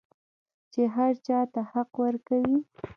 چې هر چا ته حق ورکوي.